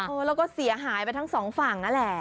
เออแล้วก็เสียหายไปทั้งสองฝั่งนั่นแหละ